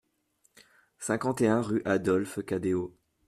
cinquante et un rue Adolphe Cadéot